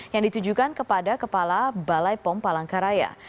yang ditujukan kepada kepala balai pom palangkaraya